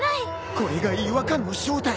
これが違和感の正体！